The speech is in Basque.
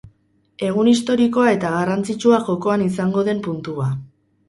Egun historikoa eta garrantzitsua jokoan izango den puntua.